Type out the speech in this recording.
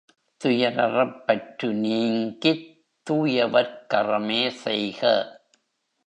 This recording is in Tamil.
துயரறப் பற்று நீங்கித் தூயவர்க் கறமே செய்க.